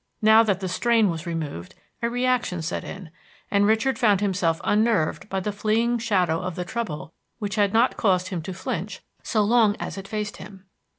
Now that the strain was removed a reaction set in, and Richard felt himself unnerved by the fleeing shadow of the trouble which had not caused him to flinch so long as it faced him.